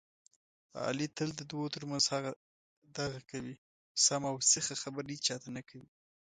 علي تل د دوو ترمنځ هغه دغه کوي، سمه اوسیخه خبره هېچاته نه کوي.